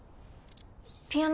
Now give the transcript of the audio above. ピアノ